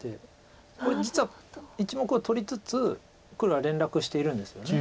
これ実は１目を取りつつ黒は連絡しているんですよね。